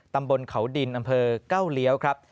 ตำบลเขาดินอำเภอเก้าเลี้ยวครับ